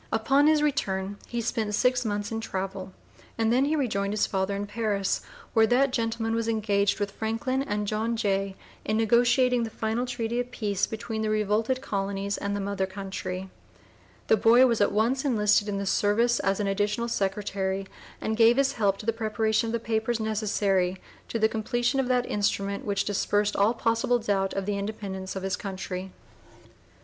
Upon his return he spent six months in travel and then he rejoined his father in Paris, where that gentleman was engaged with Franklin and John Jay in negotiating the final treaty of peace between the revolted colonies and the mother country. The boy "was at once enlisted in the service as an additional secretary, and gave his help to the preparation of the papers necessary to the completion of that instrument which dispersed all possible doubt of the Independence of his Country."